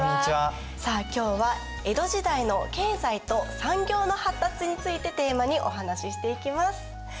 さあ今日は江戸時代の経済と産業の発達についてテーマにお話ししていきます。